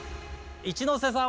一ノ瀬さん